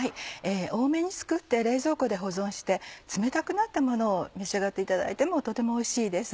多めに作って冷蔵庫で保存して冷たくなったものを召し上がっていただいてもとてもおいしいです。